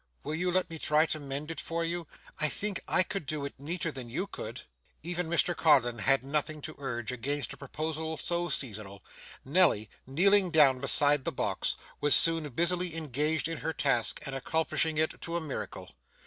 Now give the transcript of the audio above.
Will you let me try to mend it for you? I think I could do it neater than you could.' Even Mr Codlin had nothing to urge against a proposal so seasonable. Nelly, kneeling down beside the box, was soon busily engaged in her task, and accomplishing it to a miracle.